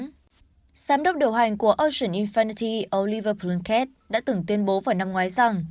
giám đốc điều hành của ocean infinity oliver plunkett đã từng tuyên bố vào năm ngoái rằng